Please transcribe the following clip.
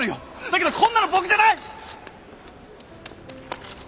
だけどこんなの僕じゃない！